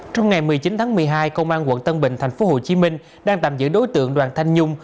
trong ngày một mươi chín tháng một mươi hai công an quận tân bình tp hcm đang tạm giữ đối tượng đoàn thanh nhung